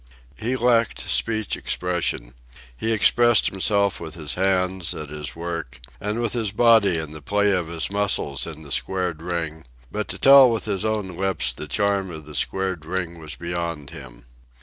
He lacked speech expression. He expressed himself with his hands, at his work, and with his body and the play of his muscles in the squared ring; but to tell with his own lips the charm of the squared ring was beyond him.